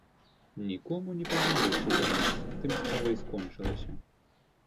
Нікому не пажаліўся зямец, тым справа і скончылася.